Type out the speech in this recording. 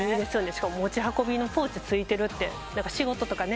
しかも持ち運びのポーチ付いてるって仕事とかね